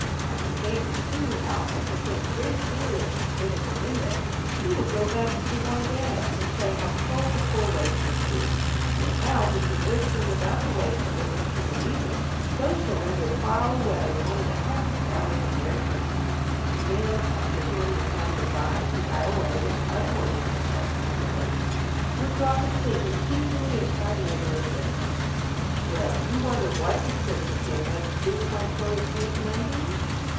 I can fancy, too, how, after feeling very chilly as he stood at the window, he would go back to the warm bed, and say how cold the poor waits must be! and how, between whispering about the waits and listening to the music, those children would while away one of the happiest hours of merry Christmas; and then, after hearing the sounds revive and die away in other more distant parts of the village, would drop asleep as easily as tired labourers at night. Well! you wonder what this Christmas hymn has to do with my story of Kate and Undine?